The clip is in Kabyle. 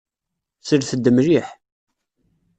Slet-d mliḥ.